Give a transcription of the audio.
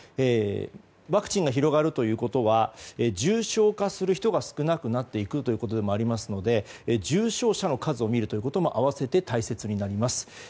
ワクチンが広がるということは重症化する人が少なくなるということでもありますので重症者の数を見るということも合わせて大切になります。